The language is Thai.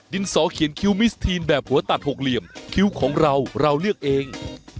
สอเขียนคิ้วมิสทีนแบบหัวตัดหกเหลี่ยมคิ้วของเราเราเลือกเอง